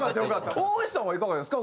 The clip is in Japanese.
オーイシさんはいかがですか？